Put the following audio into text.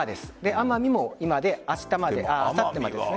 奄美も今であしたまでですね。